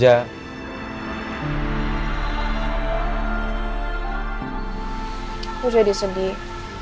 aku jadi sedih